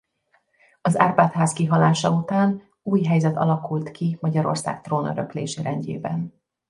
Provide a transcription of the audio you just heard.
Az Árpád-ház kihalása után új helyzet alakult ki Magyarország trónöröklési rendjében.